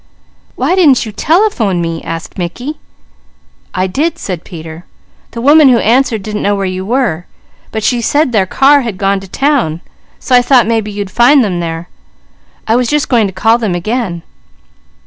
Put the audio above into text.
"Why didn't you telephone me?" asked Mickey. "I did," said Peter. "The woman who answered didn't know where you were, but she said their car had gone to town, so I thought maybe they'd find you there. I was just going to call them again."